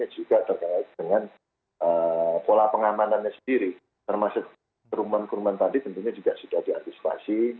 dan juga terkait dengan pola pengamanannya sendiri termasuk kerumun kerumun tadi tentunya juga sudah diantisipasi